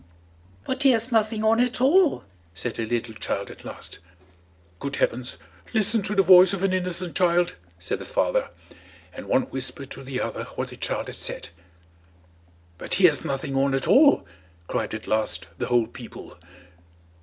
"But he has nothing on at all," said a little child at last. "Good heavens! listen to the voice of an innocent child," said the father, and one whispered to the other what the child had said. "But he has nothing on at all," cried at last the whole people.